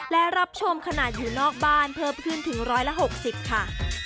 และรับชมขนาดอยู่นอกบ้านเพิ่มขึ้นถึง๑๖๐ค่ะ